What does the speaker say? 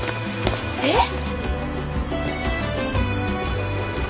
えっ！？